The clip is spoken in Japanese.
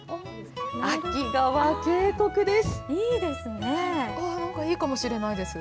秋川渓谷です。